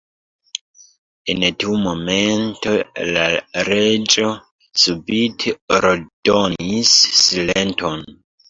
En tiu momento la Reĝo subite ordonis "Silenton!"